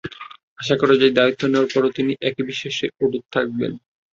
আশা করা যায়, দায়িত্ব নেওয়ার পরও তিনি একই বিশ্বাসে অটুট থাকবেন।